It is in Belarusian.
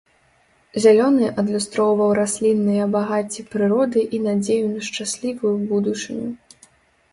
Зялёны адлюстроўваў раслінныя багацці прыроды і надзею на шчаслівую будучыню.